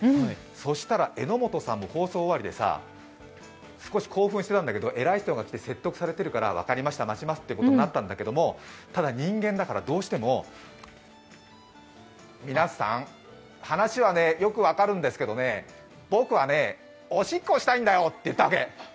そうしたら榎本さんも放送終わりでさ、少し興奮してたんだけど偉い人が来て説得されてるから、分かりました、待ちますってことになったんだけどただ人間だから、どうしても、皆さん、話はね、よく分かるんですけどね、僕はね、おしっこしたいんだよって言ったわけ。